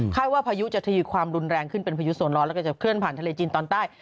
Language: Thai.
ว่าพายุจะทยอความรุนแรงขึ้นเป็นพายุส่วนร้อนแล้วก็จะเคลื่อนผ่านทะเลจีนตอนใต้